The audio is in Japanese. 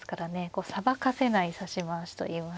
こうさばかせない指し回しといいますか。